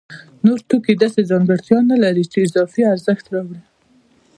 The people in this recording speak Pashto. نور توکي داسې ځانګړتیا نلري چې اضافي ارزښت راوړي